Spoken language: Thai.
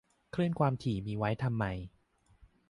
คลื่นความถี่มีไว้ทำไม